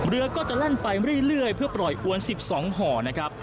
เรือก็จะแล่นไปเรื่อยเพื่อปล่อยอวน๑๒ห่อนะครับ